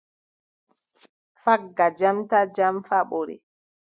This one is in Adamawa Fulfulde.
Fagga jam taa jam jaɓore.